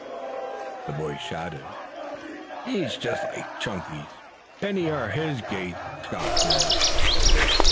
The boys shouted. "He is just like Chunky. Pennies are his gait," scoffed Ned.